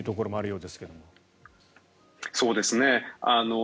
そうですね。